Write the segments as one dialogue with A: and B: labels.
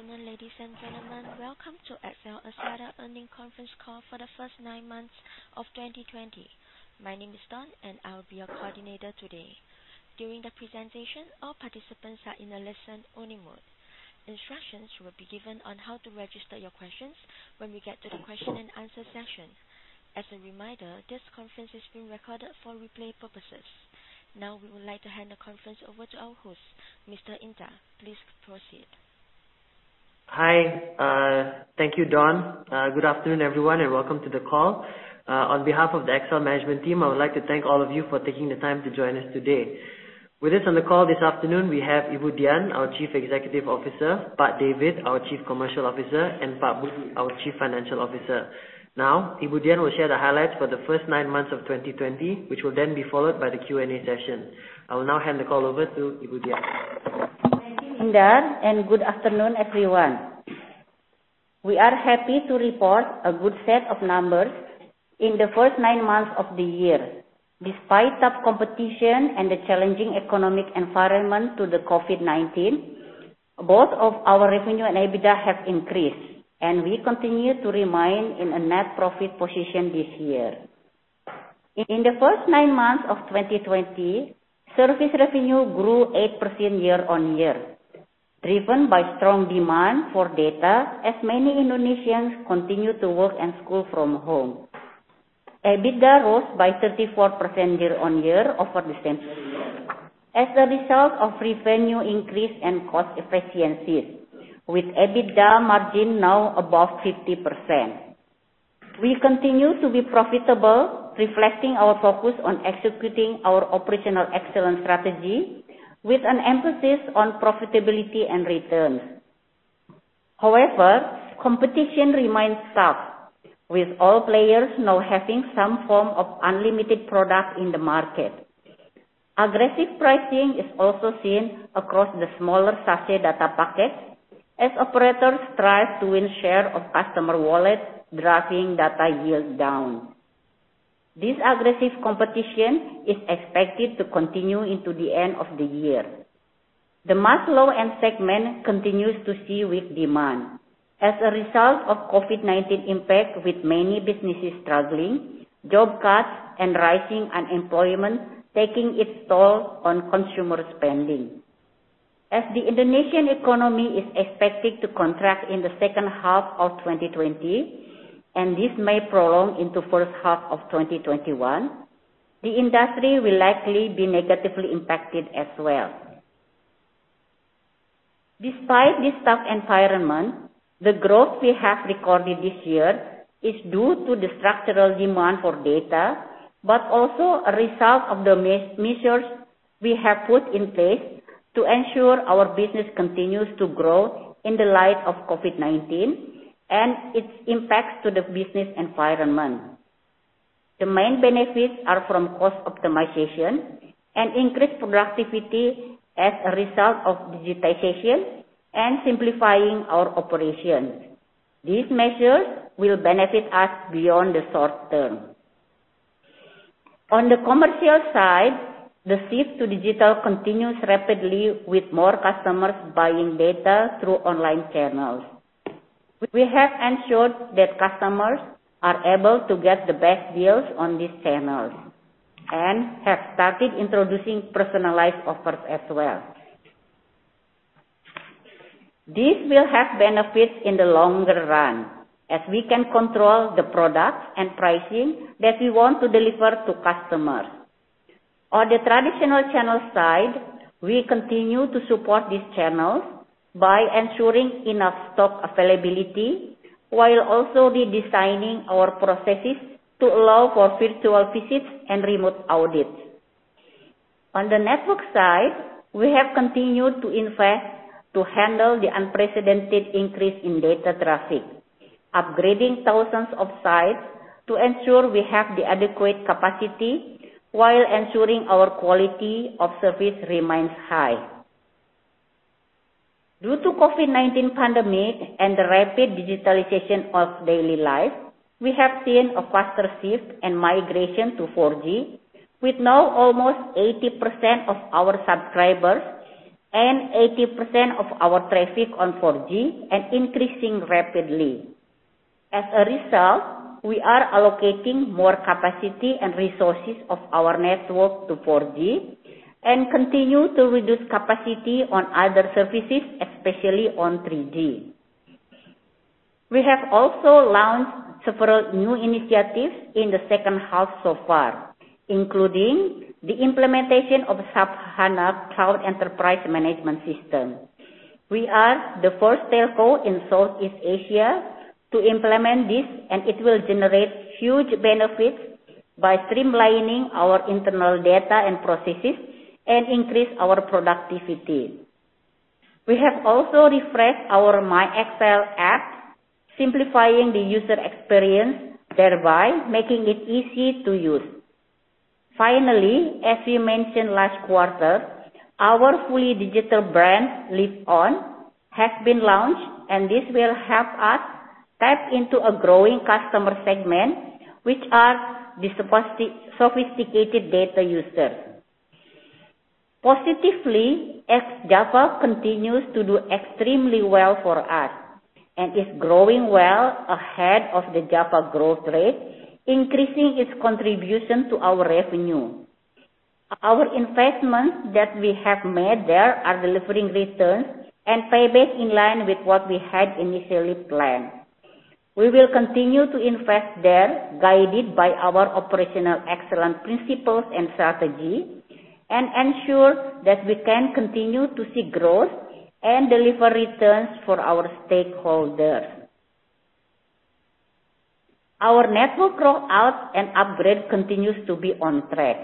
A: Good afternoon, ladies and gentlemen. Welcome to XL Axiata Earnings Conference Call for the first nine months of 2020. My name is Dawn, and I will be your coordinator today. During the presentation, all participants are in a listen only mode. Instructions will be given on how to register your questions when we get to the question and answer session. As a reminder, this conference is being recorded for replay purposes. Now, we would like to hand the conference over to our host, Mr. Indar. Please proceed.
B: Hi. Thank you, Don. Good afternoon, everyone, and welcome to the call. On behalf of the XL management team, I would like to thank all of you for taking the time to join us today. With us on the call this afternoon, we have Ibu Dian, our Chief Executive Officer, Pak David, our Chief Commercial Officer, and Pak Budi, our Chief Financial Officer. Now, Ibu Dian will share the highlights for the first nine months of 2020, which will then be followed by the Q&A session. I will now hand the call over to Ibu Dian.
C: Thank you, Indar. Good afternoon, everyone. We are happy to report a good set of numbers in the first nine months of the year. Despite tough competition and the challenging economic environment due to COVID-19, both of our revenue and EBITDA have increased. We continue to remain in a net profit position this year. In the first nine months of 2020, service revenue grew 8% year-on-year, driven by strong demand for data as many Indonesians continue to work and school from home. EBITDA rose by 34% year-on-year over the same period last year. As a result of revenue increase and cost efficiencies, with EBITDA margin now above 50%. We continue to be profitable, reflecting our focus on executing our operational excellence strategy with an emphasis on profitability and returns. However, competition remains tough, with all players now having some form of unlimited product in the market. Aggressive pricing is also seen across the smaller sachet data packet as operators strive to win share of customer wallet, driving data yield down. This aggressive competition is expected to continue into the end of the year. The mass low-end segment continues to see weak demand. As a result of COVID-19 impact, with many businesses struggling, job cuts and rising unemployment taking its toll on consumer spending. As the Indonesian economy is expected to contract in the second half of 2020, and this may prolong into first half of 2021, the industry will likely be negatively impacted as well. Despite this tough environment, the growth we have recorded this year is due to the structural demand for data, but also a result of the measures we have put in place to ensure our business continues to grow in the light of COVID-19 and its impacts to the business environment. The main benefits are from cost optimization and increased productivity as a result of digitization and simplifying our operations. These measures will benefit us beyond the short term. On the commercial side, the shift to digital continues rapidly with more customers buying data through online channels. We have ensured that customers are able to get the best deals on these channels and have started introducing personalized offers as well. This will have benefits in the longer run as we can control the product and pricing that we want to deliver to customers. On the traditional channel side, we continue to support these channels by ensuring enough stock availability while also redesigning our processes to allow for virtual visits and remote audits. On the network side, we have continued to invest to handle the unprecedented increase in data traffic, upgrading thousands of sites to ensure we have the adequate capacity while ensuring our quality of service remains high. Due to COVID-19 pandemic and the rapid digitalization of daily life, we have seen a faster shift and migration to 4G, with now almost 80% of our subscribers and 80% of our traffic on 4G and increasing rapidly. As a result, we are allocating more capacity and resources of our network to 4G and continue to reduce capacity on other services, especially on 3G. We have also launched several new initiatives in the second half so far, including the implementation of SAP S/4HANA Cloud Enterprise Management System. We are the first telco in Southeast Asia to implement this. It will generate huge benefits by streamlining our internal data and processes and increase our productivity. We have also refreshed our myXL app, simplifying the user experience, thereby making it easy to use. Finally, as we mentioned last quarter, our fully digital brand Live.On has been launched. This will help us tap into a growing customer segment, which are the sophisticated data users. Positively, ex-Java continues to do extremely well for us and is growing well ahead of the Java growth rate, increasing its contribution to our revenue. Our investments that we have made there are delivering returns and payback in line with what we had initially planned. We will continue to invest there, guided by our operational excellence principles and strategy, and ensure that we can continue to see growth and deliver returns for our stakeholders. Our network rollout and upgrade continues to be on track.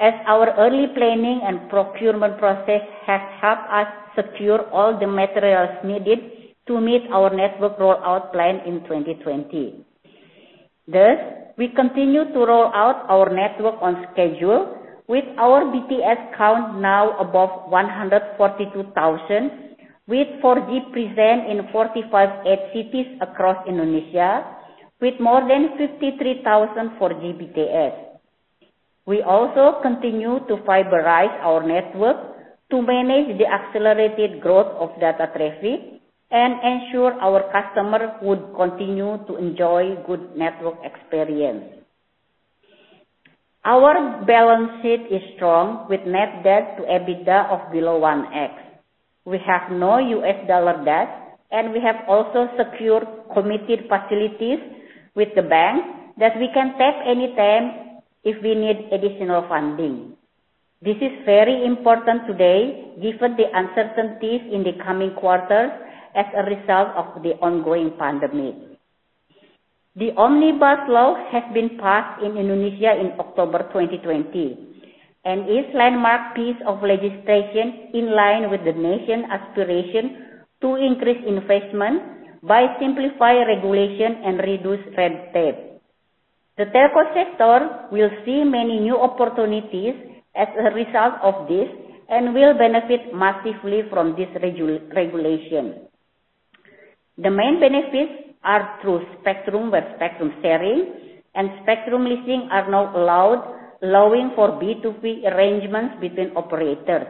C: Our early planning and procurement process has helped us secure all the materials needed to meet our network rollout plan in 2020. We continue to roll out our network on schedule with our BTS count now above 142,000, with 4G present in 458 cities across Indonesia, with more than 53,000 4G BTS. We also continue to fiberize our network to manage the accelerated growth of data traffic and ensure our customers would continue to enjoy good network experience. Our balance sheet is strong with net debt to EBITDA of below 1x. We have no US dollar debt, and we have also secured committed facilities with the bank that we can tap anytime if we need additional funding. This is very important today, given the uncertainties in the coming quarters as a result of the ongoing pandemic. The Omnibus Law has been passed in Indonesia in October 2020 and is landmark piece of legislation in line with the nation aspiration to increase investment by simplify regulation and reduce red tape. The telco sector will see many new opportunities as a result of this and will benefit massively from this regulation. The main benefits are through spectrum, where spectrum sharing and spectrum leasing are now allowed, allowing for B2B arrangements between operators.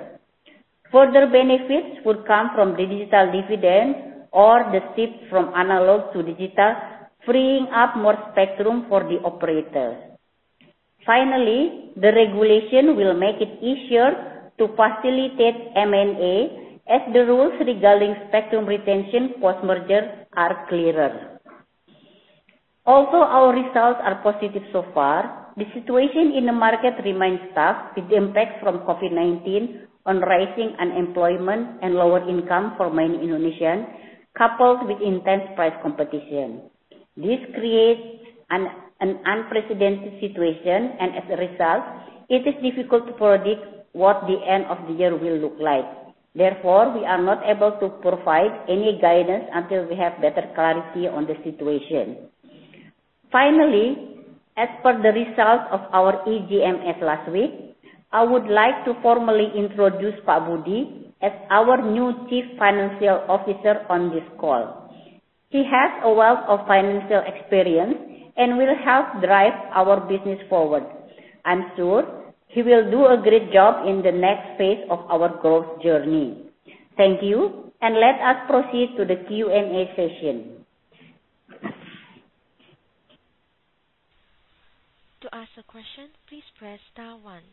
C: Further benefits would come from the digital dividend or the shift from analog to digital, freeing up more spectrum for the operators. Finally, the regulation will make it easier to facilitate M&A as the rules regarding spectrum retention post-merger are clearer. Although our results are positive so far, the situation in the market remains tough with the impact from COVID-19 on rising unemployment and lower income for many Indonesians, coupled with intense price competition. This creates an unprecedented situation, as a result, it is difficult to predict what the end of the year will look like. Therefore, we are not able to provide any guidance until we have better clarity on the situation. Finally, as per the results of our EGMS last week, I would like to formally introduce Pak Budi as our new Chief Financial Officer on this call. He has a wealth of financial experience and will help drive our business forward. I'm sure he will do a great job in the next phase of our growth journey. Thank you. Let us proceed to the Q&A session.
A: To ask a question, please press star one.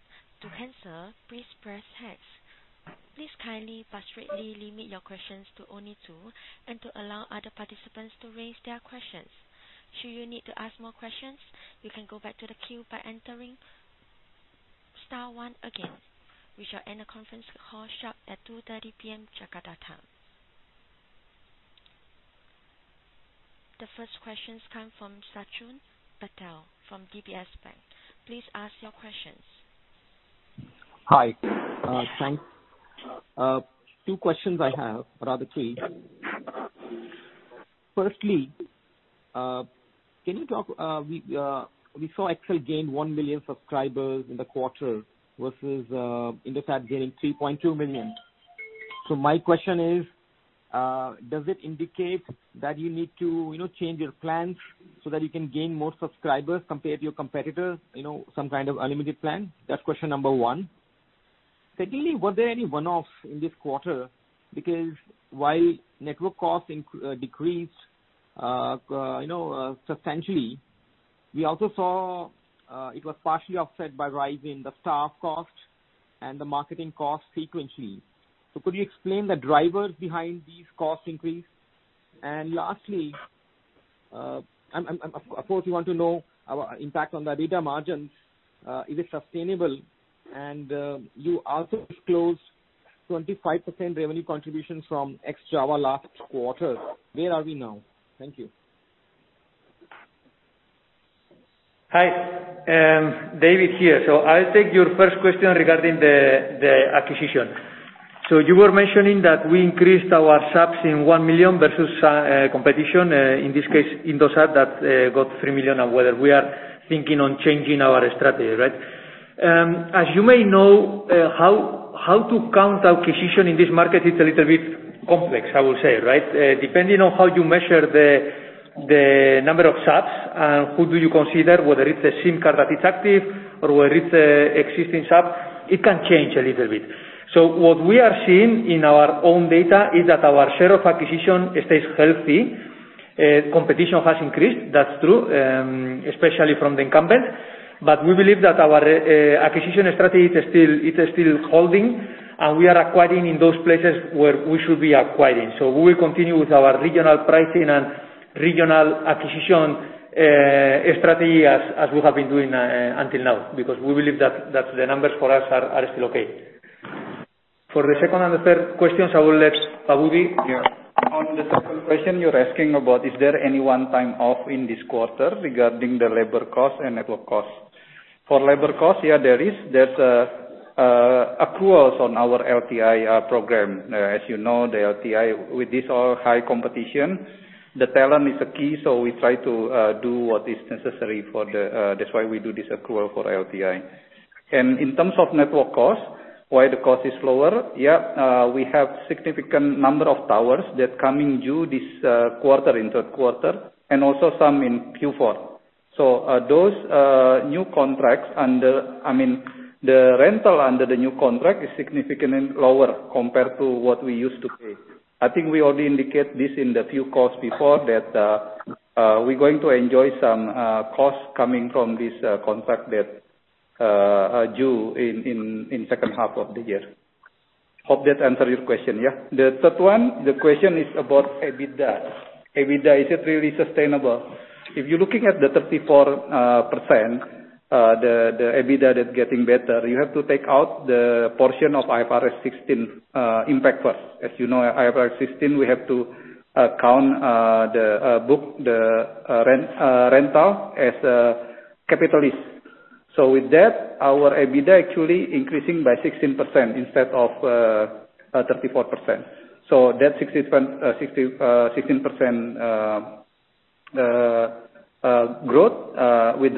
A: To cancel, please press hash. Please kindly but strictly limit your questions to only two and to allow other participants to raise their questions. Should you need to ask more questions, you can go back to the queue by entering star one again. We shall end the conference call sharp at 2:30 P.M. Jakarta time. The first questions come from Sachin Patel from DBS Bank. Please ask your questions.
D: Hi. Thanks. Two questions I have, or rather three. Firstly, we saw XL gain 1 million subscribers in the quarter versus Indosat gaining 3.2 million. My question is, does it indicate that you need to change your plans so that you can gain more subscribers compared to your competitors, some kind of unlimited plan? That's question number one. Secondly, were there any one-offs in this quarter? While network costs decreased substantially, we also saw it was partially offset by rise in the staff cost and the marketing cost sequentially. Could you explain the drivers behind these cost increase? Lastly, of course, we want to know our impact on the data margins. Is it sustainable? You also disclosed 25% revenue contribution from ex-Java last quarter. Where are we now? Thank you.
E: Hi. David here. I'll take your first question regarding the acquisition. You were mentioning that we increased our subs in 1 million versus competition, in this case, Indosat that got 3 million, and whether we are thinking on changing our strategy, right? As you may know, how to count acquisition in this market, it's a little bit complex, I will say. Depending on how you measure the number of subs and who do you consider, whether it's a SIM card that is active or whether it's existing subs, it can change a little bit. What we are seeing in our own data is that our share of acquisition stays healthy. Competition has increased, that's true, especially from the incumbent. We believe that our acquisition strategy is still holding, and we are acquiring in those places where we should be acquiring. We will continue with our regional pricing and regional acquisition strategy as we have been doing until now, because we believe that the numbers for us are still okay. For the second and the third questions, I will let Pak Budi.
F: Yeah. On the second question you're asking about, is there any one-time off in this quarter regarding the labor cost and network cost. For labor cost, yeah, there is. There's accruals on our LTI program. As you know, the LTI, with this all high competition, the talent is a key, so we try to do what is necessary, that's why we do this accrual for LTI. In terms of network cost, why the cost is lower? Yeah. We have significant number of towers that coming due this quarter, in third quarter, and also some in Q4. Those new contracts, the rental under the new contract is significantly lower compared to what we used to pay. I think we already indicate this in the few calls before that, we're going to enjoy some costs coming from this contract that are due in second half of the year. Hope that answer your question, yeah. The third one, the question is about EBITDA. EBITDA, is it really sustainable? If you're looking at the 34%, the EBITDA that is getting better, you have to take out the portion of IFRS 16 impact first. As you know, IFRS 16, we have to count the book, the rental as a capitalized. With that, our EBITDA actually increasing by 16% instead of 34%. That 16% growth, with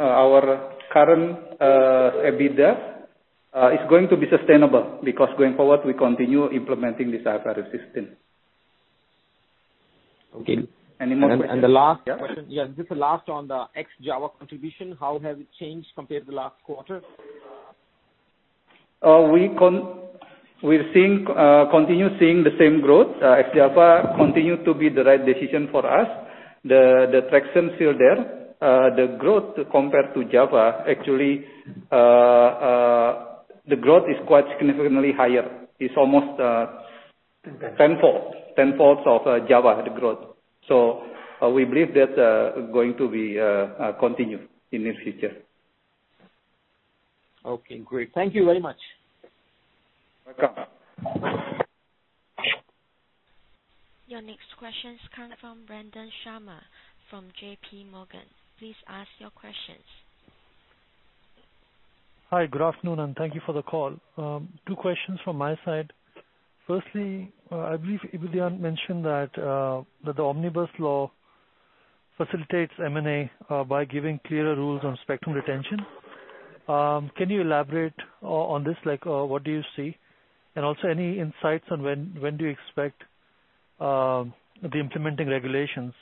F: our current EBITDA, is going to be sustainable, because going forward, we continue implementing this IFRS system.
D: Okay.
F: Any more question?
D: The last question.
F: Yeah.
D: Just the last on the ex-Java contribution, how has it changed compared to last quarter?
F: We're continue seeing the same growth. ex-Java continue to be the right decision for us. The traction's still there. The growth compared to Java, actually, the growth is quite significantly higher. It's almost tenfold. Tenfolds of Java, the growth. We believe that going to be continue in the future.
D: Okay, great. Thank you very much.
F: Welcome.
A: Your next question is coming from Ranjan Sharma from JPMorgan. Please ask your questions.
G: Hi, good afternoon. Thank you for the call. Two questions from my side. Firstly, I believe Ibu Dian mentioned that the Omnibus Law facilitates M&A by giving clearer rules on spectrum retention. Can you elaborate on this, like, what do you see? Also any insights on when do you expect the implementing regulations?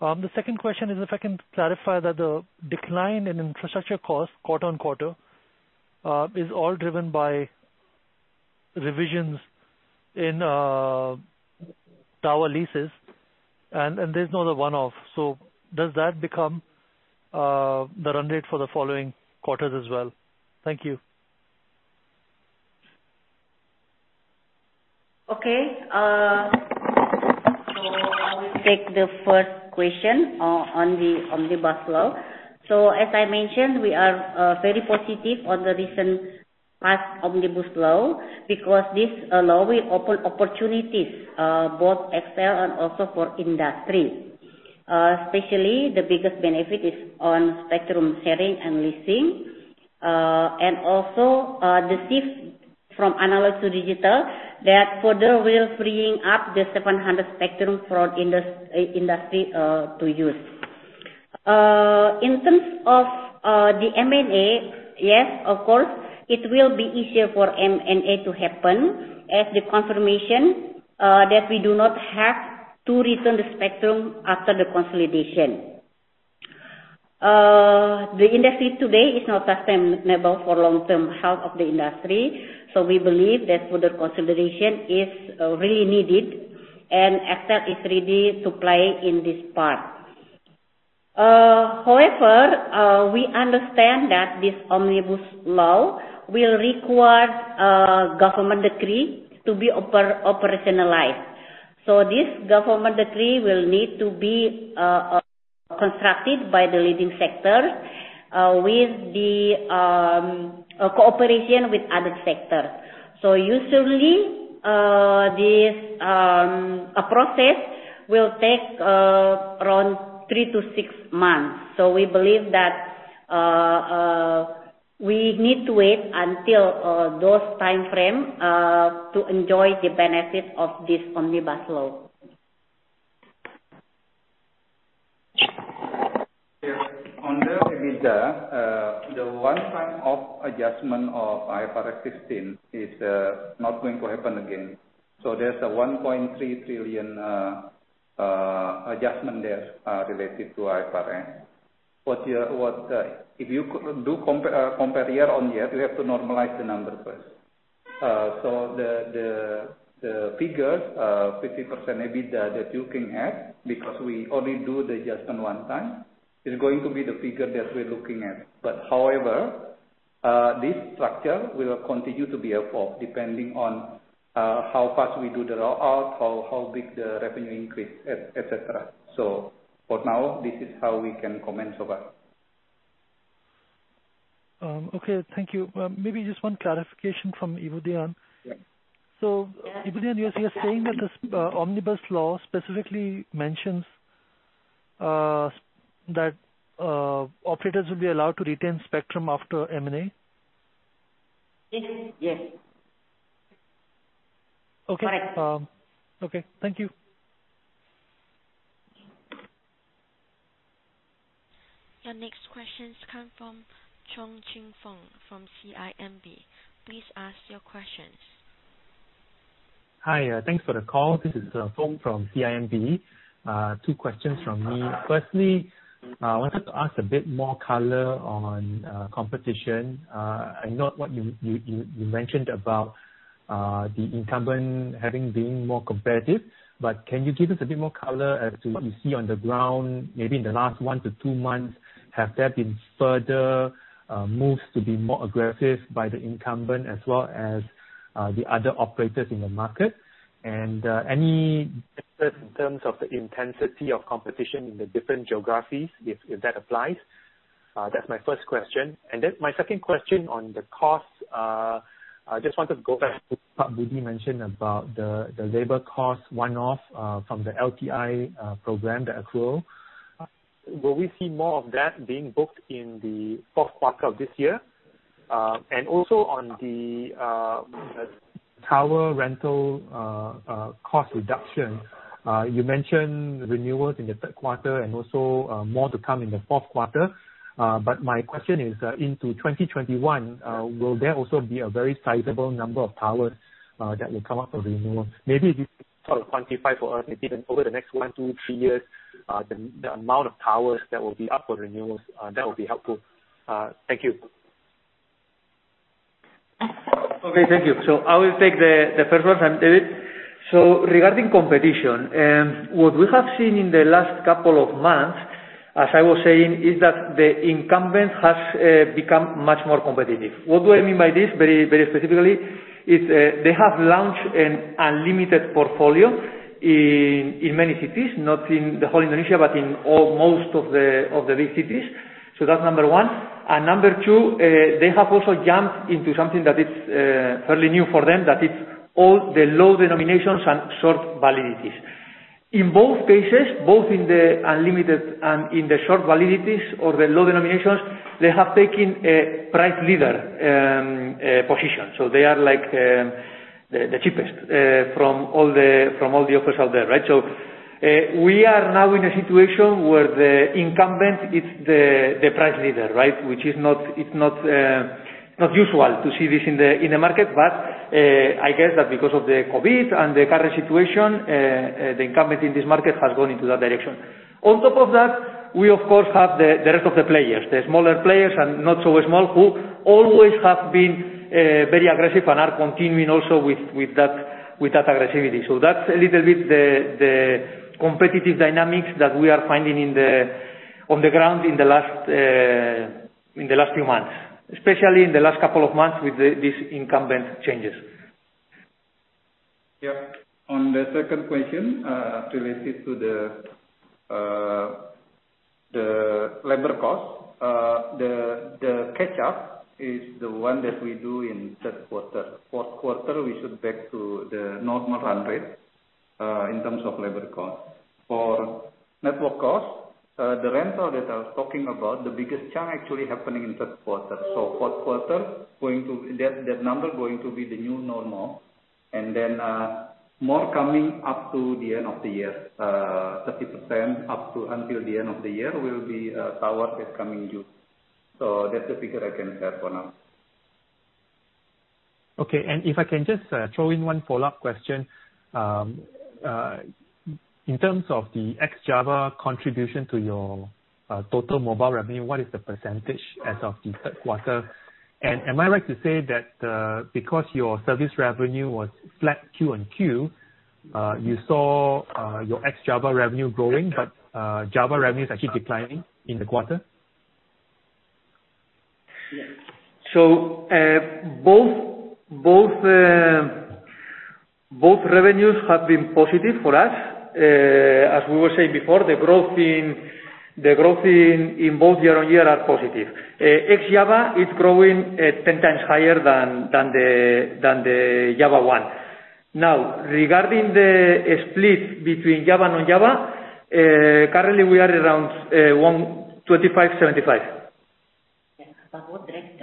G: The second question is if I can clarify that the decline in infrastructure cost quarter-on-quarter, is all driven by revisions in tower leases, and there's no other one-off. Does that become the run rate for the following quarters as well? Thank you.
C: Okay. I will take the first question on the Omnibus Law. As I mentioned, we are very positive on the recent passed Omnibus Law, because this law will open opportunities both XL and also for industry. Especially, the biggest benefit is on spectrum sharing and leasing. Also, the shift from analog to digital that further will freeing up the 700 spectrum for industry to use. In terms of the M&A, yes, of course, it will be easier for M&A to happen as the confirmation that we do not have to return the spectrum after the consolidation. The industry today is not sustainable for long-term health of the industry. We believe that further consolidation is really needed, and XL is ready to play in this part. However, we understand that this Omnibus Law will require a government decree to be operationalized. This government decree will need to be constructed by the leading sector, with the cooperation with other sectors. Usually, this process will take around three to six months. We believe that we need to wait until those timeframe, to enjoy the benefit of this Omnibus Law.
F: Yes. On the EBITDA, the one-time adjustment of IFRS 15 is not going to happen again. There's an 1.3 trillion adjustment there related to IFRS. If you do compare year-over-year, you have to normalize the number first. The figure, 50% EBITDA that you can have, because we only do the adjustment one-time, is going to be the figure that we're looking at. However, this structure will continue to be here for, depending on how fast we do the rollout, how big the revenue increase, et cetera. For now, this is how we can comment over.
G: Okay. Thank you. Maybe just one clarification from Ibu Dian.
F: Yes.
G: Ibu Dian, you are saying that this Omnibus Law specifically mentions that operators will be allowed to retain spectrum after M&A?
C: Yes.
G: Okay.
C: Right.
G: Okay. Thank you.
A: Your next questions come from Choong Chen Foong from CIMB. Please ask your questions.
H: Hi, thanks for the call. This is Foong from CIMB. Two questions from me. Firstly, I wanted to ask a bit more color on competition. I know what you mentioned about the incumbent having been more competitive. Can you give us a bit more color as to what you see on the ground, maybe in the last one to two months? Have there been further moves to be more aggressive by the incumbent as well as the other operators in the market? Any difference in terms of the intensity of competition in the different geographies, if that applies? That's my first question. My second question on the cost. I just wanted to go back to what Budi mentioned about the labor cost one-off from the LTI program, the accrual. Will we see more of that being booked in the fourth quarter of this year? Also on the tower rental cost reduction, you mentioned renewals in the third quarter and also more to come in the fourth quarter. My question is into 2021, will there also be a very sizable number of towers that will come up for renewal? Maybe if you could sort of quantify for us, maybe over the next 1-3 years, the amount of towers that will be up for renewals. That would be helpful. Thank you.
E: Okay, thank you. I will take the first one from David. Regarding competition, what we have seen in the last couple of months, as I was saying, is that the incumbent has become much more competitive. What do I mean by this very specifically? Is they have launched an unlimited portfolio in many cities, not in the whole Indonesia, but in most of the big cities. That's number one. Number two, they have also jumped into something that is fairly new for them, that it's all the low denominations and short validities. In both cases, both in the unlimited and in the short validities or the low denominations, they have taken a price leader position. They are the cheapest from all the offers out there, right? We are now in a situation where the incumbent is the price leader, right? Which is not usual to see this in the market, I guess that because of the COVID-19 and the current situation, the incumbent in this market has gone into that direction. On top of that, we of course have the rest of the players, the smaller players and not so small, who always have been very aggressive and are continuing also with that aggressivity. That's a little bit the competitive dynamics that we are finding on the ground in the last few months, especially in the last couple of months with these incumbent changes.
F: Yeah. On the second question, related to the labor cost, the catch-up is the one that we do in third quarter. Fourth quarter, we should be back to the normal run rate in terms of labor cost. For network cost, the rental that I was talking about, the biggest chunk actually happening in third quarter. Fourth quarter, that number going to be the new normal. More coming up to the end of the year. 30% up to until the end of the year will be towers that's coming due. That's the figure I can share for now.
H: Okay. If I can just throw in one follow-up question? In terms of the ex-Java contribution to your total mobile revenue, what is the percentage as of the third quarter? Am I right to say that because your service revenue was flat Q&Q, you saw your ex-Java revenue growing, but Java revenue is actually declining in the quarter?
E: Yes.
F: Both revenues have been positive for us. As we were saying before, the growth in both year-on-year are positive. ex-Java is growing 10 times higher than the Java one. Regarding the split between Java, non-Java, currently we are around 25/75.
E: Yeah. what drives Java is on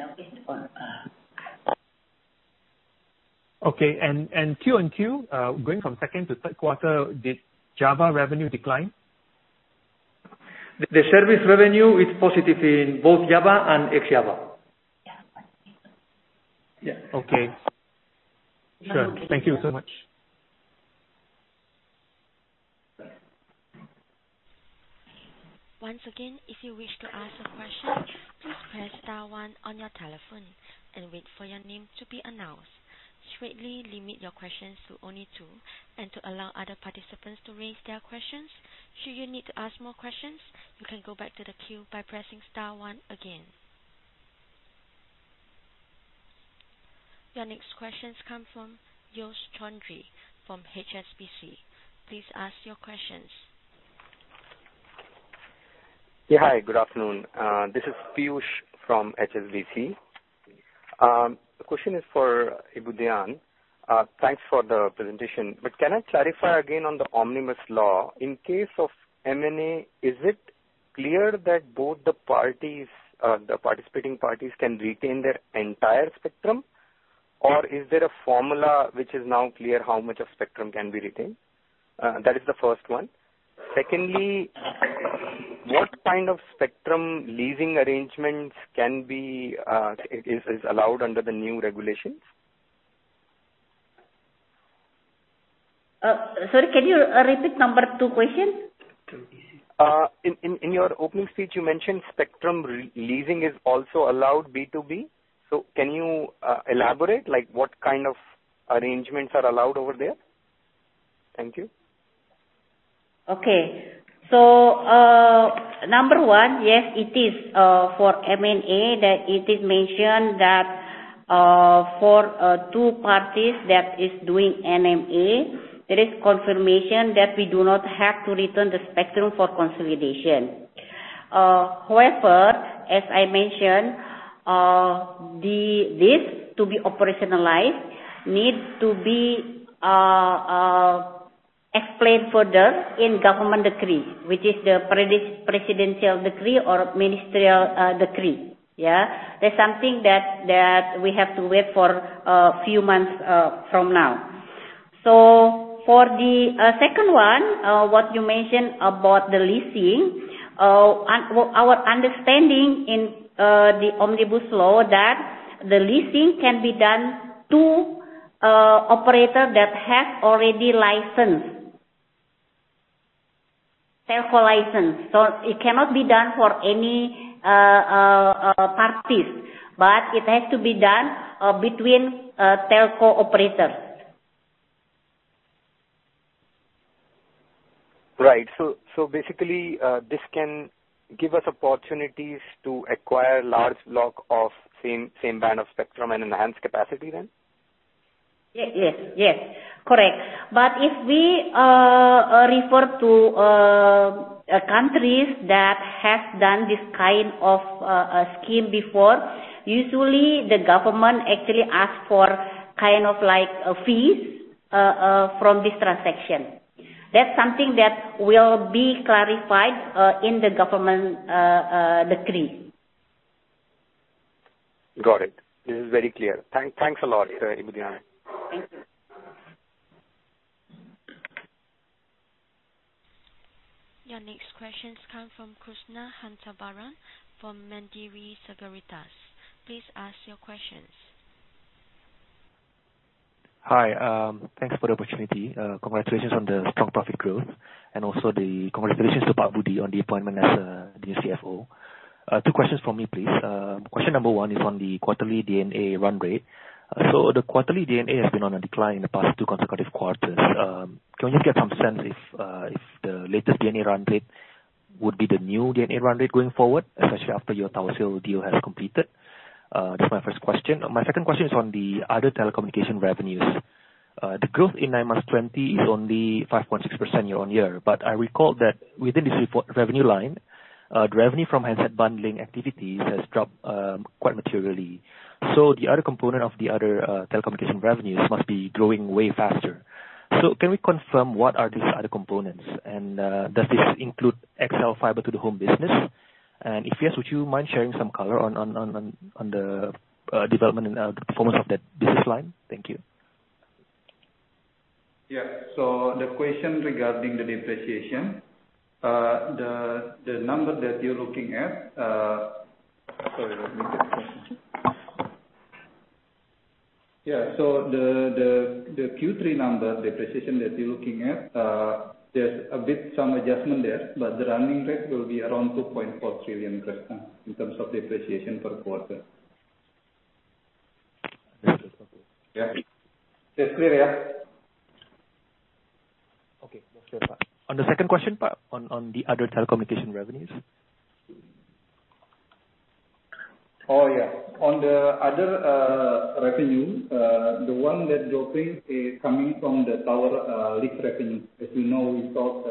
H: Okay. Q on Q, going from second to third quarter, did Java revenue decline?
F: The service revenue is positive in both Java and ex-Java.
H: Okay. Sure. Thank you so much.
A: Once again, if you wish to ask a question, please press star one on your telephone and wait for your name to be announced. Strictly limit your questions to only two to allow other participants to raise their questions. Should you need to ask more questions, you can go back to the queue by pressing star one again. Your next questions come from Piyush Choudhary from HSBC. Please ask your questions.
I: Yeah. Hi, good afternoon. This is Piyush from HSBC. The question is for Ibu Dian. Thanks for the presentation. Can I clarify again on the Omnibus Law, in case of M&A, is it clear that both the participating parties can retain their entire spectrum? Or is there a formula which is now clear how much of spectrum can be retained? That is the first one. Secondly, what kind of spectrum leasing arrangements is allowed under the new regulations?
C: Sorry, can you repeat number two question?
I: In your opening speech, you mentioned spectrum leasing is also allowed B2B. Can you elaborate, like what kind of arrangements are allowed over there? Thank you.
C: Number one, yes, it is for M&A that it is mentioned that for two parties that is doing M&A, there is confirmation that we do not have to return the spectrum for consolidation. However, as I mentioned, this, to be operationalized, needs to be explained further in government decree, which is the presidential decree or ministerial decree. That's something that we have to wait for a few months from now. For the second one, what you mentioned about the leasing, our understanding in the Omnibus Law that the leasing can be done to operator that has already license. Telco license. It cannot be done for any parties, but it has to be done between telco operators.
I: Right. Basically, this can give us opportunities to acquire large block of same band of spectrum and enhance capacity then?
C: Yes. Correct. If we refer to countries that have done this kind of scheme before, usually the government actually asks for fees from this transaction. That's something that will be clarified in the government decree.
I: Got it. This is very clear. Thanks a lot, Ibu Dian.
C: Thank you.
A: Your next questions come from Kresna Hutabarat from Mandiri Sekuritas. Please ask your questions.
J: Hi. Thanks for the opportunity. Congratulations on the strong profit growth and also the congratulations to Pak Budi on the appointment as the new CFO. Two questions from me, please. Question number one is on the quarterly D&A run rate. The quarterly D&A has been on a decline in the past two consecutive quarters. Can we just get some sense if the latest D&A run rate would be the new D&A run rate going forward, especially after your tower sale deal has completed? That's my first question. My second question is on the other telecommunication revenues. The growth in nine months 2020 is only 5.6% year-on-year. I recall that within this revenue line, the revenue from handset bundling activities has dropped quite materially. The other component of the other telecommunication revenues must be growing way faster. Can we confirm what are these other components? Does this include XL fiber to the home business? If yes, would you mind sharing some color on the development and the performance of that business line? Thank you.
F: Yeah. The question regarding the depreciation, the number that you're looking at
J: Sorry, what was the first question?
F: The Q3 number depreciation that you're looking at, there's a bit some adjustment there. The running rate will be around IDR 2.4 trillion in terms of depreciation per quarter.
J: That's helpful.
F: Yeah. It's clear, yeah?
J: Okay. No further. On the second question, Pak, on the other telecommunication revenues.
F: Oh, yeah. On the other revenue, the one that you're seeing is coming from the tower lease revenue. As you know, we sold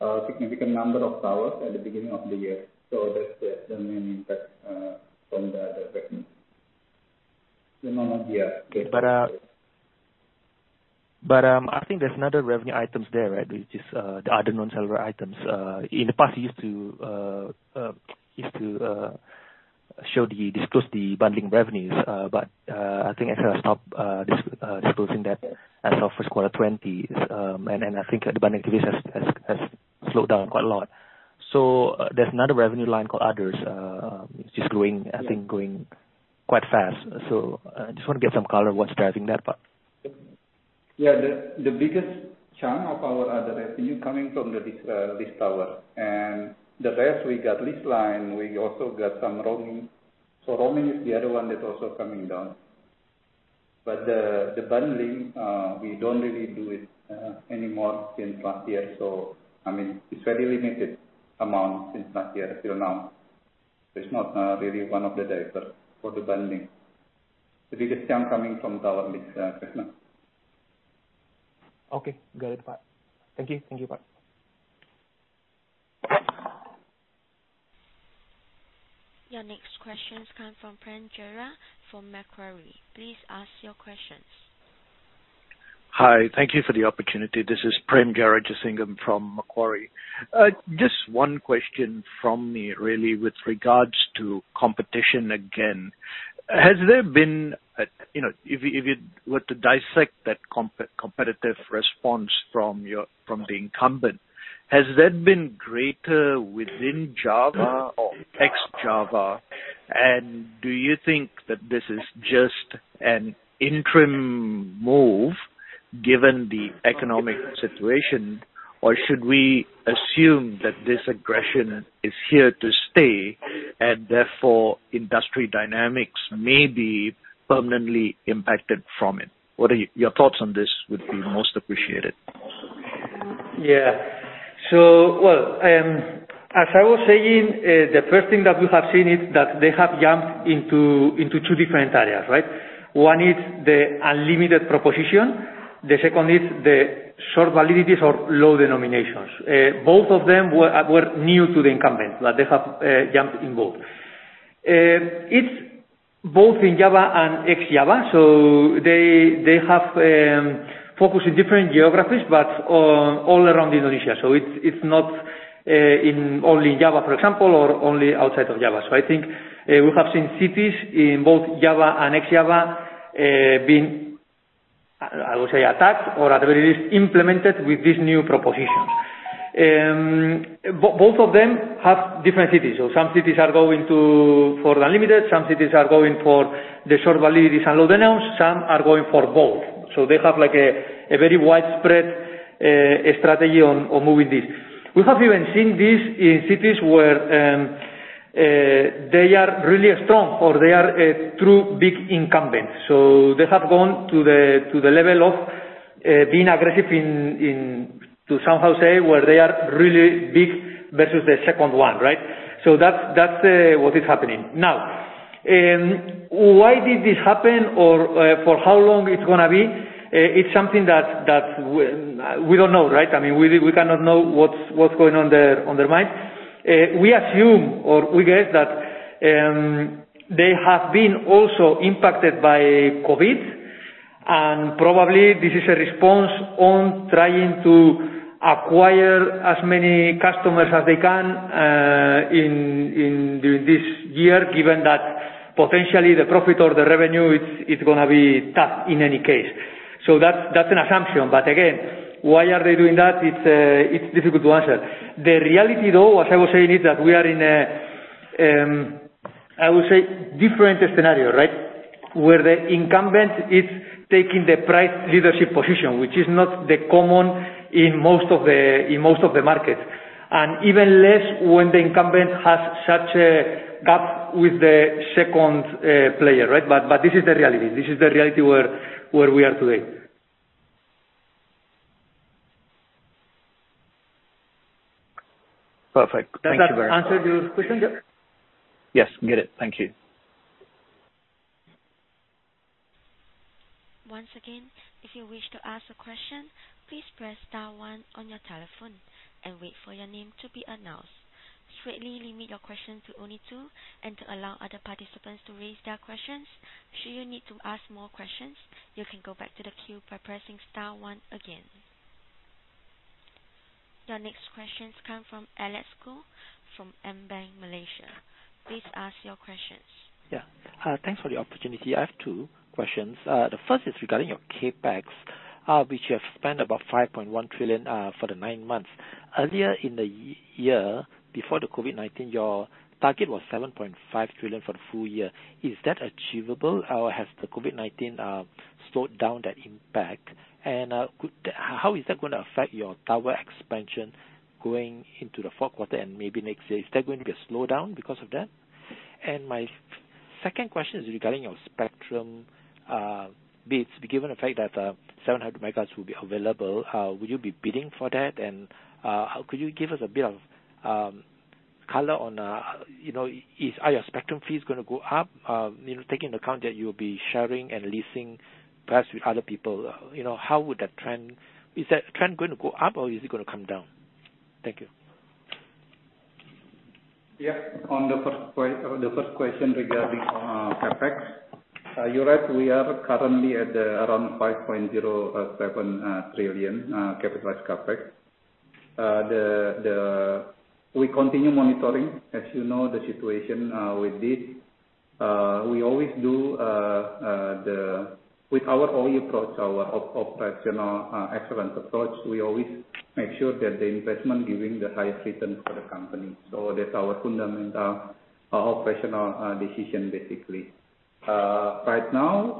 F: a significant number of towers at the beginning of the year. That's the main impact from the other revenue.
J: I think there's another revenue items there. There's just the other non-seller items. In the past, you used to disclose the bundling revenues, but I think XL has stopped disclosing that as of first quarter 2020. I think the bundling activity has slowed down quite a lot. There's another revenue line called others, which is, I think, growing quite fast. I just want to get some color on what's driving that part.
F: The biggest chunk of our other revenue coming from the lease tower. The rest, we got lease line, we also got some roaming. Roaming is the other one that's also coming down. The bundling, we don't really do it anymore since last year. It's very limited amount since last year till now. It's not really one of the drivers for the bundling. The biggest chunk coming from tower lease business.
J: Okay. Got it. Thank you.
A: Your next questions come from Prem Jeara from Macquarie. Please ask your questions.
K: Hi. Thank you for the opportunity. This is Prem Jearajasingam from Macquarie. Just one question from me, really, with regards to competition again. If you were to dissect that competitive response from the incumbent, has that been greater within Java or ex-Java? Do you think that this is just an interim move given the economic situation? Or should we assume that this aggression is here to stay and therefore industry dynamics may be permanently impacted from it? Your thoughts on this would be most appreciated.
E: Yeah. As I was saying, the first thing that we have seen is that they have jumped into two different areas, right? One is the unlimited proposition, the second is the short validities or low denominations. Both of them were new to the incumbent, that they have jumped in both. It's both in Java and ex-Java. They have focused in different geographies, but all around Indonesia. It's not in only Java, for example, or only outside of Java. I think we have seen cities in both Java and ex-Java, being I would say attacked or at the very least implemented with this new proposition. Both of them have different cities. Some cities are going for unlimited, some cities are going for the short validities and low denom, some are going for both. They have a very widespread strategy on moving this. We have even seen this in cities where they are really strong, or they are a true big incumbent. They have gone to the level of being aggressive to somehow say where they are really big versus the second one, right? That's what is happening. Why did this happen or for how long it's going to be? It's something that we don't know, right? We cannot know what's going on their minds. We assume, or we guess that they have been also impacted by COVID, and probably this is a response on trying to acquire as many customers as they can during this year, given that potentially the profit or the revenue, it's going to be tough in any case. That's an assumption. Again, why are they doing that? It's difficult to answer. The reality, though, as I was saying, is that we are in a, I would say, different scenario, right? Where the incumbent is taking the price leadership position, which is not the common in most of the markets. Even less when the incumbent has such a gap with the second player, right? This is the reality. This is the reality where we are today.
K: Perfect. Thank you very much.
E: Does that answer your question?
K: Yes. Get it. Thank you.
A: Once again, if you wish to ask a question, please press star one on your telephone and wait for your name to be announced. Kindly limit your questions to only two, and to allow other participants to raise their questions. Should you need to ask more questions, you can go back to the queue by pressing star one again. Your next questions come from Alex Goh from AmBank. Please ask your questions.
L: Thanks for the opportunity. I have two questions. The first is regarding your CapEx, which you have spent about 5.1 trillion for the nine months. Earlier in the year, before the COVID-19, your target was 7.5 trillion for the full year. Is that achievable or has the COVID-19 slowed down that impact? How is that going to affect your tower expansion going into the fourth quarter and maybe next year? Is that going to get slowed down because of that? My second question is regarding your spectrum bids. Given the fact that 700 megahertz will be available, will you be bidding for that? Could you give us a bit of color on are your spectrum fees going to go up? Taking into account that you'll be sharing and leasing perhaps with other people, is that trend going to go up or is it going to come down? Thank you.
F: Yeah. On the first question regarding CapEx, you're right, we are currently at around 5.07 trillion capitalized CapEx. We continue monitoring, as you know the situation with this. With our O.E. approach, our operational excellence approach, we always make sure that the investment giving the highest return for the company. That's our fundamental operational decision, basically. Right now,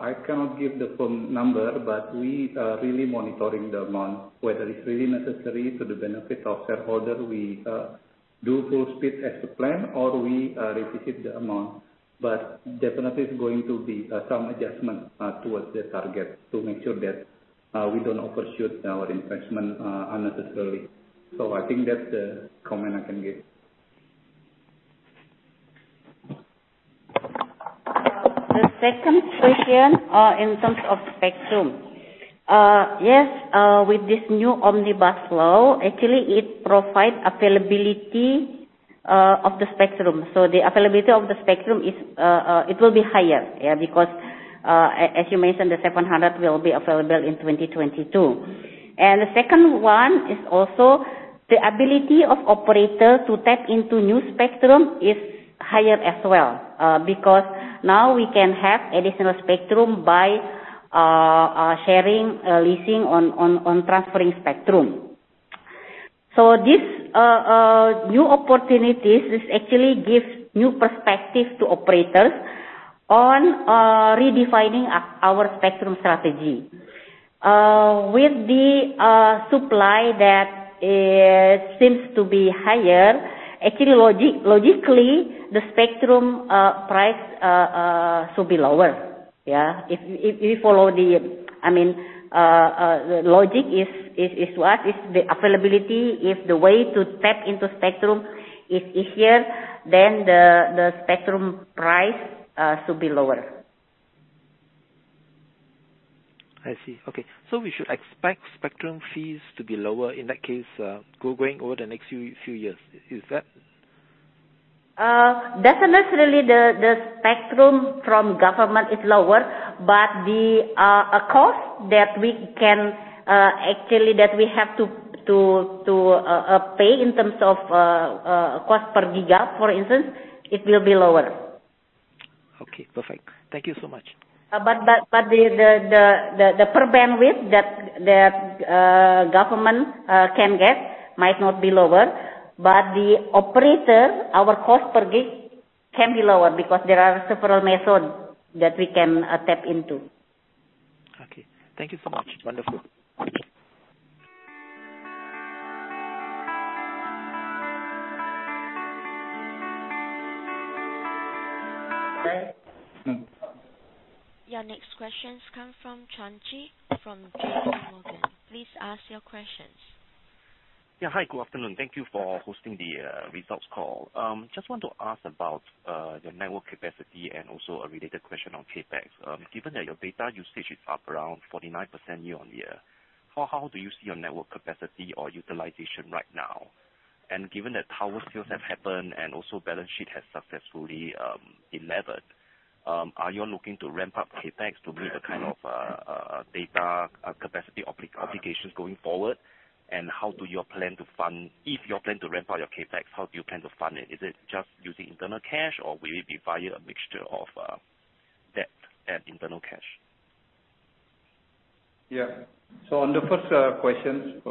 F: I cannot give the firm number, but we are really monitoring the amount, whether it's really necessary to the benefit of shareholder, we do full speed as the plan, or we re-visit the amount. Definitely is going to be some adjustment towards the target to make sure that we don't overshoot our investment unnecessarily. I think that's the comment I can give.
C: The second question in terms of spectrum. Yes, with this new Omnibus Law, actually it provides availability of the spectrum. The availability of the spectrum, it will be higher, because as you mentioned, the 700 will be available in 2022. The second one is also the ability of operator to tap into new spectrum is higher as well. Because now we can have additional spectrum by sharing, leasing, or transferring spectrum. This new opportunities, this actually gives new perspective to operators on redefining our spectrum strategy. With the supply that seems to be higher, actually logically, the spectrum price should be lower. Yeah. The logic is what? If the availability, if the way to tap into spectrum is easier, then the spectrum price should be lower.
L: I see. Okay. We should expect spectrum fees to be lower in that case, going over the next few years. Is that?
C: Definitely the spectrum from government is lower, but a cost that we have to pay in terms of cost per giga, for instance, it will be lower.
L: Okay, perfect. Thank you so much.
C: The per bandwidth that government can get might not be lower, but the operator, our cost per gig can be lower because there are several methods that we can tap into.
L: Okay. Thank you so much. Wonderful.
A: Your next questions come from Chang Chee with JPMorgan. Please ask your questions.
M: Yeah, hi. Good afternoon. Thank you for hosting the results call. Just want to ask about the network capacity and also a related question on CapEx. Given that your data usage is up around 49% year-on-year, how do you see your network capacity or utilization right now? Given that tower sales have happened and also balance sheet has successfully been levered, are you looking to ramp up CapEx to meet the kind of data capacity obligations going forward? If you plan to ramp up your CapEx, how do you plan to fund it? Is it just using internal cash, or will it be via a mixture of debt and internal cash?
F: On the first question,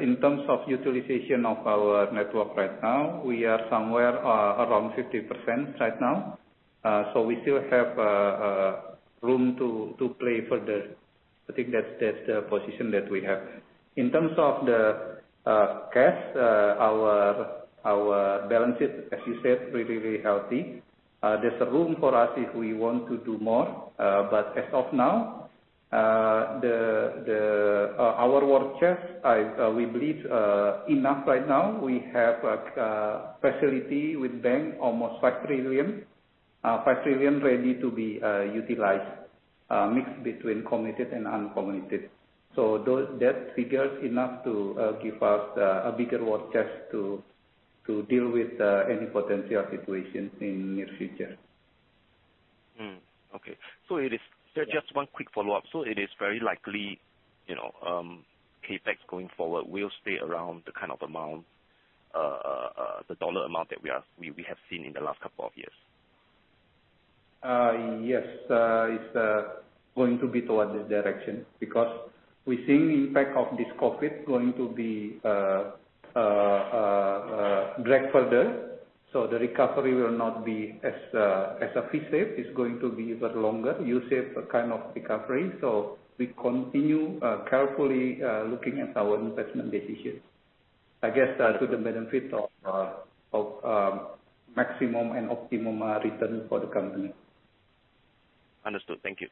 F: in terms of utilization of our network right now, we are somewhere around 50% right now. We still have room to play further. I think that's the position that we have. In terms of the cash, our balance sheet, as you said, really healthy. There's a room for us if we want to do more, but as of now, our war chest, we believe enough right now. We have a facility with bank, almost 5 trillion ready to be utilized, mixed between committed and uncommitted. That figure is enough to give us a bigger war chest to deal with any potential situations in near future.
M: Okay. Just one quick follow-up. It is very likely CapEx going forward will stay around the dollar amount that we have seen in the last couple of years?
F: Yes, it's going to be towards this direction because we're seeing impact of this COVID going to be dragged further. The recovery will not be as a V-shape. It's going to be a bit longer, U-shape kind of recovery. We continue carefully looking at our investment decisions. I guess to the benefit of maximum and optimum return for the company.
M: Understood. Thank you.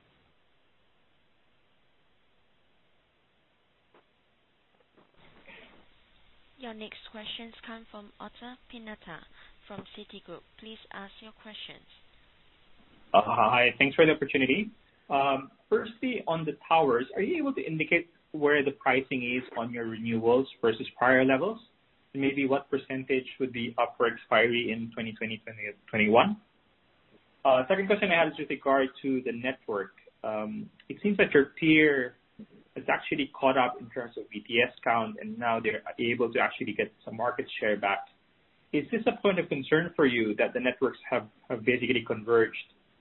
A: Your next questions come from Arthur Pineda from Citigroup. Please ask your questions.
N: Hi. Thanks for the opportunity. Firstly, on the towers, are you able to indicate where the pricing is on your renewals versus prior levels? Maybe what % would be up for expiry in 2020, 2021? Second question I have is with regard to the network. It seems that your peer has actually caught up in terms of BTS count, and now they're able to actually get some market share back. Is this a point of concern for you that the networks have basically converged?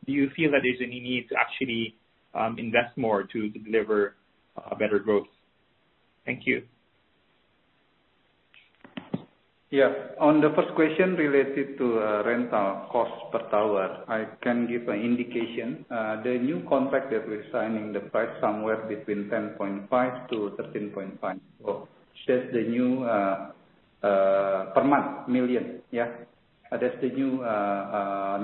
N: Do you feel that there's any need to actually invest more to deliver better growth? Thank you.
F: Yeah. On the first question related to rental cost per tower, I can give an indication. The new contract that we're signing, the price somewhere between 10.5 million-13.5 million. That's the new per month million. Yeah. That's the new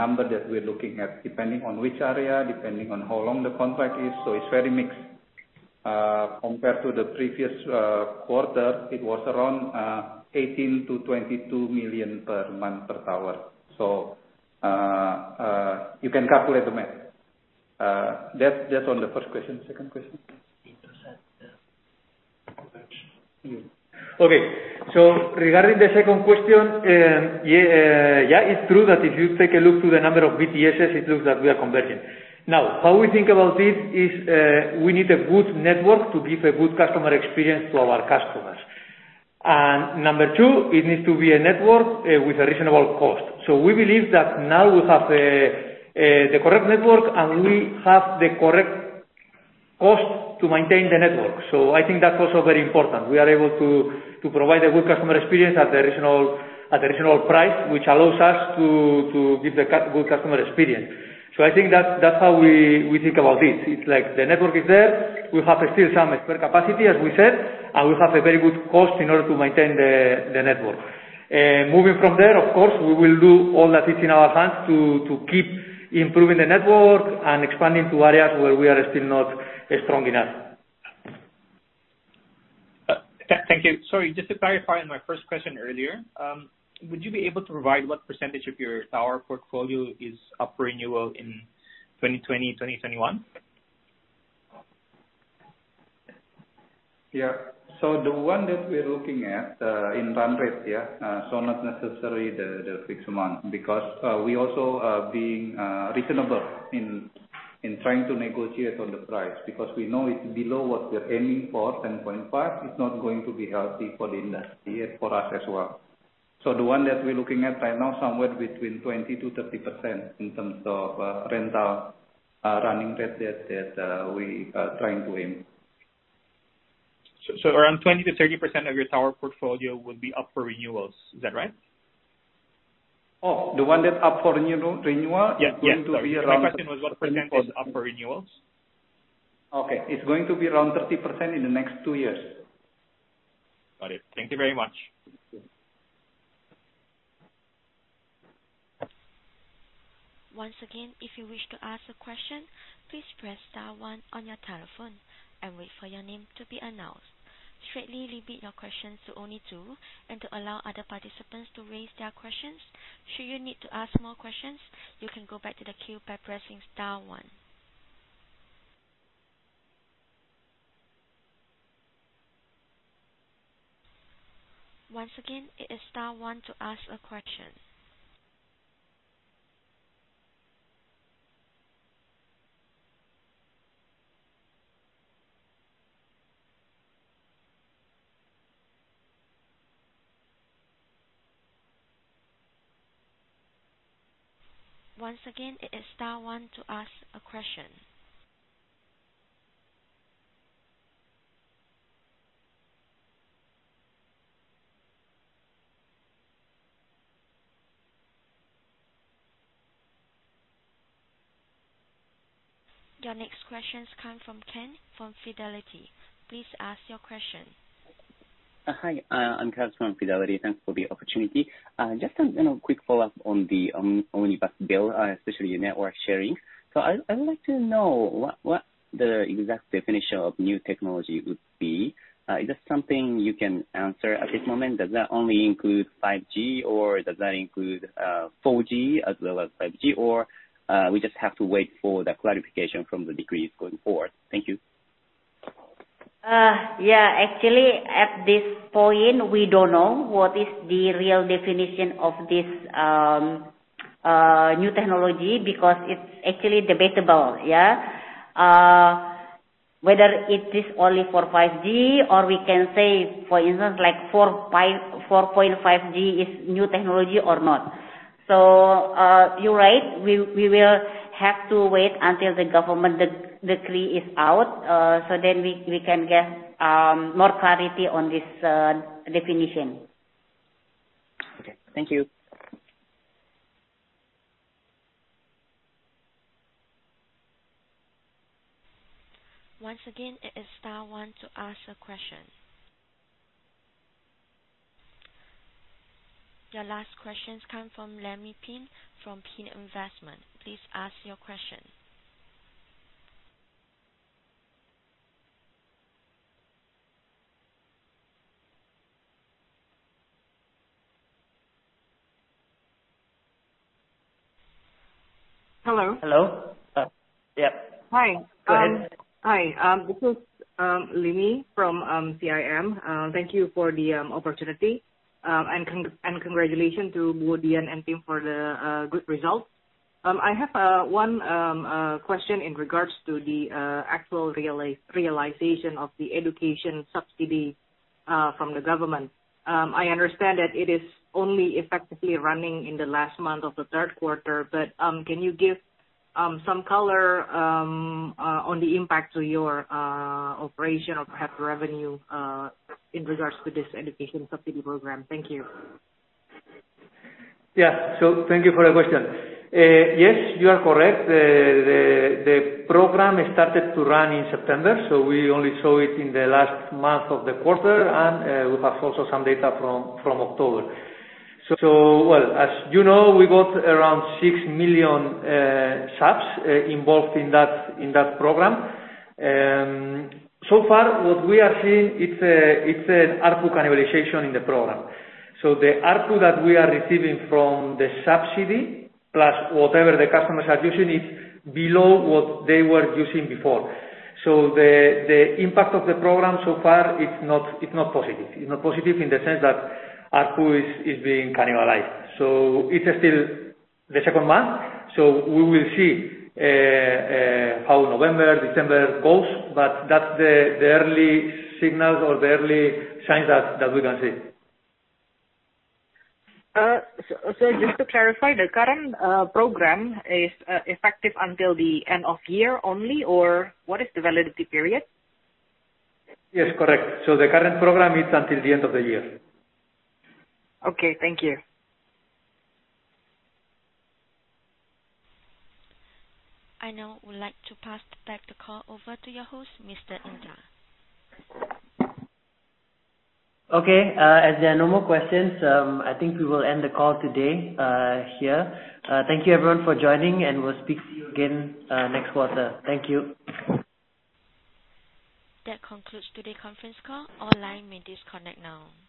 F: number that we're looking at, depending on which area, depending on how long the contract is, so it's very mixed. Compared to the previous quarter, it was around 18 million-22 million per month per tower. You can calculate the math. That's on the first question. Second question?
E: Regarding the second question, yeah, it's true that if you take a look through the number of BTSs, it looks like we are converging. Now, how we think about this is, we need a good network to give a good customer experience to our customers. Number 2, it needs to be a network with a reasonable cost. We believe that now we have the correct network, and we have the correct cost to maintain the network. I think that's also very important. We are able to provide a good customer experience at the reasonable price, which allows us to give the good customer experience. I think that's how we think about it. It's like the network is there. We have still some spare capacity, as we said, and we have a very good cost in order to maintain the network. Moving from there, of course, we will do all that is in our hands to keep improving the network and expanding to areas where we are still not strong enough.
N: Thank you. Sorry, just to clarify on my first question earlier, would you be able to provide what percentage of your tower portfolio is up for renewal in 2020, 2021?
F: Yeah. The one that we're looking at, in run rate, yeah. Not necessarily the fixed month, because we also are being reasonable in trying to negotiate on the price, because we know it's below what we're aiming for, 10.5, it's not going to be healthy for the industry and for us as well. The one that we're looking at right now, somewhere between 20%-30% in terms of rental running rate that we are trying to aim.
N: Around 20%-30% of your tower portfolio will be up for renewals. Is that right?
F: Oh, the one that's up for renewal.
N: Yeah.
F: Going to be around-
N: My question was, what percentage is up for renewals?
F: Okay. It's going to be around 30% in the next two years.
N: Got it. Thank you very much.
A: Once again, if you wish to ask a question, please press star one on your telephone and wait for your name to be announced. Strictly limit your questions to only two and to allow other participants to raise their questions. Should you need to ask more questions, you can go back to the queue by pressing star one. Once again, it is star one to ask a question. Once again, it is star one to ask a question. Your next questions come from Ken from Fidelity. Please ask your question.
O: Hi. I am Ken from Fidelity. Thanks for the opportunity. Just a quick follow-up on the Omnibus Bill, especially network sharing. I would like to know what the exact definition of new technology would be. Is that something you can answer at this moment? Does that only include 5G, or does that include 4G as well as 5G, or we just have to wait for the clarification from the decrees going forward? Thank you.
C: Yeah. Actually, at this point, we don't know what is the real definition of this new technology because it's actually debatable, yeah. Whether it is only for 5G or we can say, for instance, like 4.5G is new technology or not. You're right. We will have to wait until the government decree is out, so then we can get more clarity on this definition.
O: Okay. Thank you.
A: Once again, it is star one to ask a question. Your last questions come from Lemmy Pin, from Pin Investment. Please ask your question.
P: Hello?
B: Hello? Yeah.
P: Hi.
B: Go ahead.
P: Hi. This is Limi from CIMB. Thank you for the opportunity, and congratulations to Ibu Dian and team for the good results. I have one question in regards to the actual realization of the education subsidy from the government. I understand that it is only effectively running in the last month of the third quarter, but can you give some color on the impact to your operation or perhaps revenue in regards to this education subsidy program? Thank you.
E: Thank you for the question. Yes, you are correct. The program started to run in September, so we only saw it in the last month of the quarter, and we have also some data from October. Well, as you know, we got around 6 million subs involved in that program. So far what we are seeing it's an ARPU cannibalization in the program. The ARPU that we are receiving from the subsidy, plus whatever the customers are using, is below what they were using before. The impact of the program so far it's not positive. It's not positive in the sense that ARPU is being cannibalized. It is still the second month, so we will see how November, December goes. That's the early signals or the early signs that we can see.
P: Just to clarify, the current program is effective until the end of year only, or what is the validity period?
E: Yes, correct. The current program is until the end of the year.
P: Okay. Thank you.
A: I now would like to pass back the call over to your host, Mr. Indar.
B: Okay. As there are no more questions, I think we will end the call today here. Thank you, everyone, for joining, and we'll speak to you again next quarter. Thank you.
A: That concludes today's conference call. All line may disconnect now.